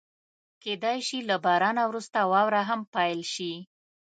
کېدای شي له بارانه وروسته واوره هم پيل شي.